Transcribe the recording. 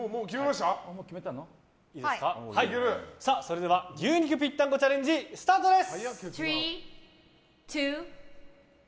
それでは牛肉ぴったんこチャレンジスタートです！